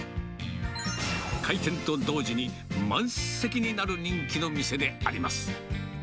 開店と同時に満席になる人気の店であります。